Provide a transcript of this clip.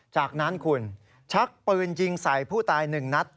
จากนั้นคุณชักปืนยิงสายผู้ตายหนึ่งนัด